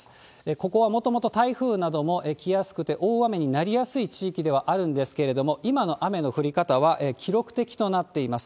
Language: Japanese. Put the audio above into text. ここはもともと台風なども来やすくて、大雨になりやすい地域ではあるんですけれども、今の雨の降り方は記録的となっています。